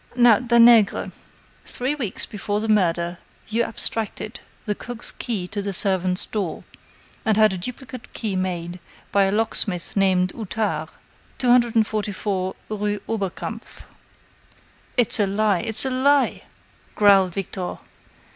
Now, Danègre, three weeks before the murder, you abstracted the cook's key to the servants' door, and had a duplicate key made by a locksmith named Outard, 244 rue Oberkampf." "It's a lie it's a lie!" growled Victor.